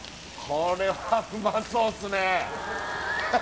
これはうまそうっすね